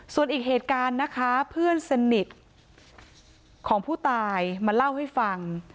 ส่วนอีกเหตุการณ์นะคะเพื่อนสนิทของผู้ตายมาเล่าให้ฟัง